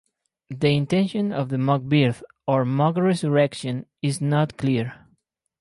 The intention of the mock birth or mock resurrection is not clear.